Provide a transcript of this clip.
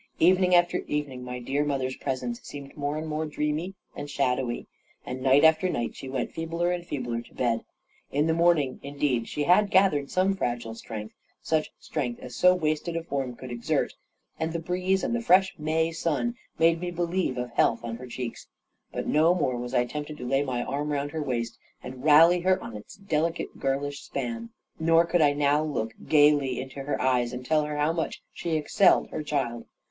Evening after evening, my dear mother's presence seemed more and more dreamy and shadowy; and night after night she went feebler and feebler to bed. In the morning indeed she had gathered some fragile strength, such strength as so wasted a form could exert, and the breeze and the fresh May sun made believe of health on her cheeks. But no more was I tempted to lay my arm round her waist, and rally her on its delicate girlish span, nor could I now look gaily into her eyes, and tell her how much she excelled her child.